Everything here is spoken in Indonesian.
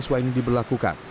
bagaimana siswa ini diberlakukan